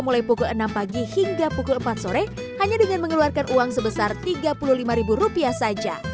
mulai pukul enam pagi hingga pukul empat sore hanya dengan mengeluarkan uang sebesar tiga puluh lima saja